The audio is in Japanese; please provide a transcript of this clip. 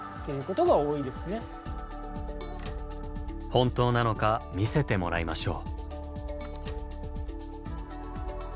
本当なのか見せてもらいましょう。